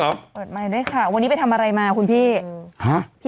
บอกให้ด้วยค่ะวันนี้ไปทำอะไรมาคุณพี่